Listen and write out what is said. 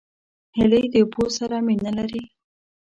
هیلۍ د اوبو سره مینه لري